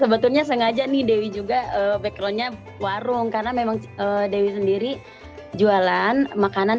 sebetulnya sengaja nih dewi juga backgroundnya warung karena memang dewi sendiri jualan makanan